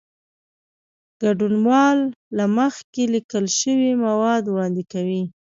ګډونوال له مخکې لیکل شوي مواد وړاندې کوي.